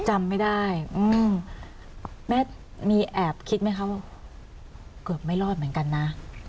จำไม่ได้อืมแม่มีแอบคิดไหมคะว่าเกือบไม่รอดเหมือนกันนะ